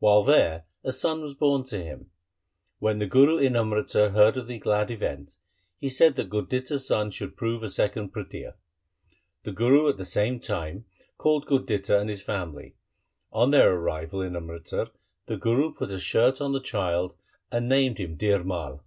While there a son was born to him. When the Guru in Amritsar heard of the glad event, he said that Gurditta's son should prove a second Prithia. The Guru at the same time called Gurditta and his family. On their arrival in Amritsar the Guru put a shirt on the child and named him Dhir Mai.